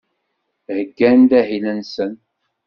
Heyyan-d ahil-nsen.